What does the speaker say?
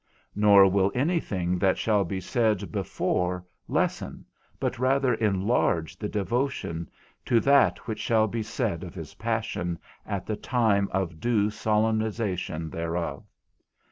Nor will any thing that shall be said before lessen, but rather enlarge the devotion, to that which shall be said of his passion at the time of due solemnization thereof.